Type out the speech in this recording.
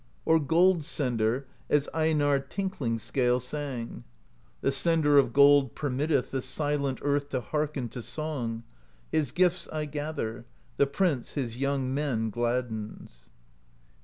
Or Gold Sender, as Einarr Tinkling Scale sang: The Sender of Gold permitteth The silent earth to hearken To song; his gifts I gather: The prince his young men gladdens.